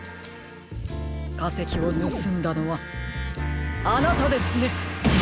かせきをぬすんだのはあなたですね！